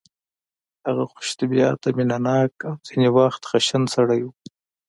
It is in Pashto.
هغه خوش طبیعته مینه ناک او ځینې وخت خشن سړی و